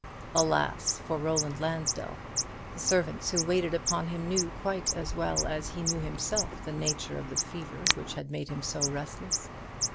Alas for Roland Lansdell, the servants who waited upon him knew quite as well as he knew himself the nature of the fever which had made him so restless!